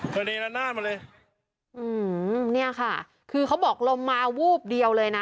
เทอร์เนยนั่นหน้ามาเลยอืมเนี่ยค่ะคือเขาบอกลมมาวูบเดียวเลยนะ